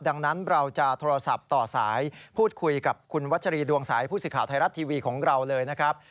ดังนั้นเราจะโทรศัพท์ต่อสายพูดคุยกับคุณวัชรีดวงสายผู้สื่อข่าวไทยรัฐทีวีของเราเลยนะครับ